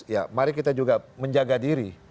ya mari kita juga menjaga diri